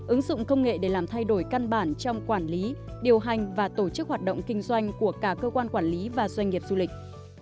ứng dụng công nghệ để làm thay đổi căn bản trong quản lý điều hành và tổ chức hoạt động kinh doanh của cả cơ quan quản lý và doanh nghiệp du lịch